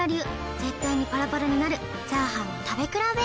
絶対にパラパラになるチャーハンを食べ比べ